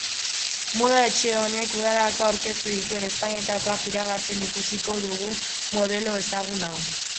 Moda etxe honek udarako aurkeztu dituen ezpainetakoak iragartzen ikudiko dugu modelo ezagun hau.